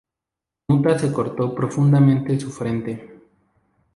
Muta se cortó profundamente su frente.